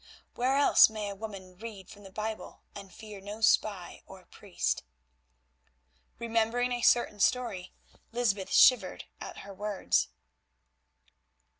Where else may a woman read from the Bible and fear no spy or priest?" Remembering a certain story, Lysbeth shivered at her words.